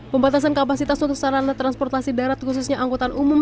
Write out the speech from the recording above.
pembatasan kapasitas untuk sarana transportasi darat khususnya angkutan umum